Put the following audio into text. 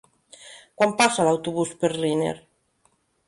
Quan passa l'autobús per Riner?